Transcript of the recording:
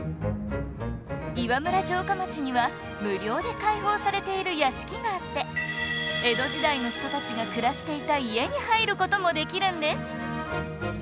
岩村城下町には無料で開放されている屋敷があって江戸時代の人たちが暮らしていた家に入る事もできるんです